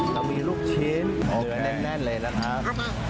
เรามีลูกชิ้นเนื้อแน่นเลยนะครับ